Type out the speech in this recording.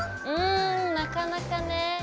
うんなかなかね。